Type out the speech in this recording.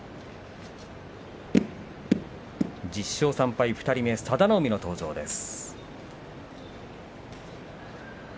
１０勝３敗２人目佐田の海の登場です。